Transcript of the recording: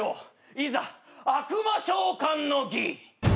いざ悪魔召喚の儀。